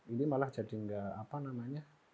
ini malah jadi nggak apa namanya